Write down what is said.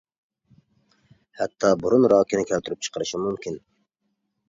ھەتتا بۇرۇن راكىنى كەلتۈرۈپ چىقىرىشى مۇمكىن.